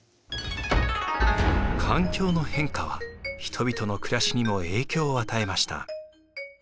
環境の変化は人々の暮らしにも影響を与えました。